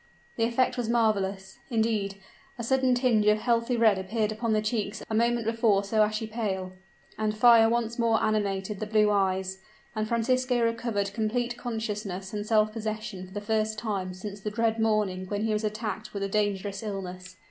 The effect was marvelous, indeed; a sudden tinge of healthy red appeared upon the cheeks a moment before so ashy pale and fire once more animated the blue eyes and Francisco recovered complete consciousness and self possession for the first time since the dread morning when he was attacked with a dangerous illness.